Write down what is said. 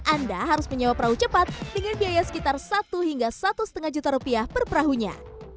anda harus menyewa perahu cepat dengan biaya sekitar satu hingga satu lima juta rupiah per perahunya